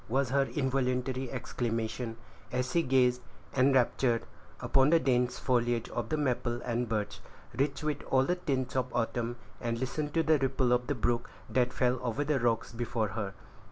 was her involuntary exclamation, as she gazed, enraptured, upon the dense foliage of the maple and birch, rich with all the tints of autumn, and listened to the ripple of the brook that fell over the rocks before her.